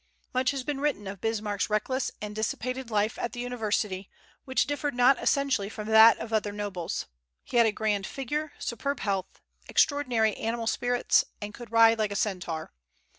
Much has been written of Bismarck's reckless and dissipated life at the university, which differed not essentially from that of other nobles. He had a grand figure, superb health, extraordinary animal spirits, and could ride like a centaur.